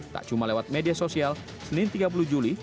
tak cuma lewat media sosial senin tiga puluh juli